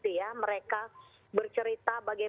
dua duanya semakin tinggi